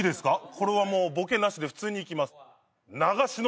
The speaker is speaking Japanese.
これはもうボケなしで普通にいきます